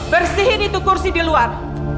bersihin itu kursi di luar